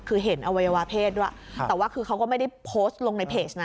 คือเห็นอวัยวะเพศด้วยแต่ว่าคือเขาก็ไม่ได้โพสต์ลงในเพจนะ